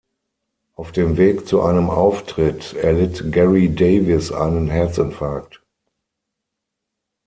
Auf dem Weg zu einem Auftritt erlitt Gary Davis einen Herzinfarkt.